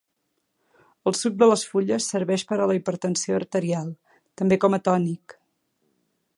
El suc de les fulles serveix per a la hipertensió arterial; també com a tònic.